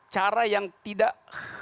cara yang tidak